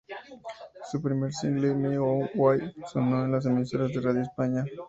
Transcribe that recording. Su primer single, "My Own Way", sonó en las emisoras de radio de España.